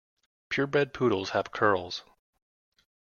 Pure bred poodles have curls.